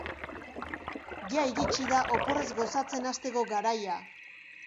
Ia iritsi da oporrez gozatzen hasteko garaia!